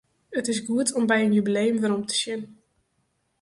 It is goed om by in jubileum werom te sjen.